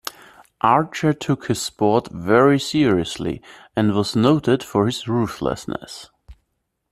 Archer took his sport very seriously and was noted for his ruthlessness.